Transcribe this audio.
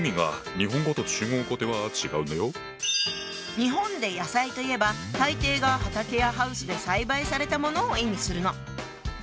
日本で「野菜」といえば大抵が畑やハウスで栽培されたものを意味するの。